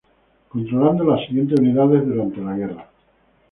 Controlando las siguientes unidades durante la guerra